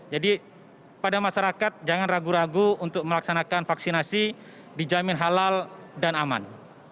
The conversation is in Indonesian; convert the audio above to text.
jadi pada masyarakat jangan ragu ragu untuk melaksanakan vaksinasi dijamin halal dan aman